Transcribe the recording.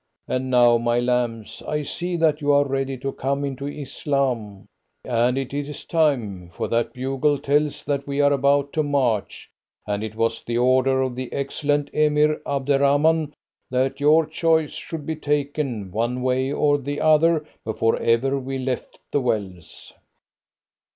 And now, my lambs, I see that you are ready to come into Islam, and it is time, for that bugle tells that we are about to march, and it was the order of the excellent Emir Abderrahman that your choice should be taken, one way or the other, before ever we left the wells."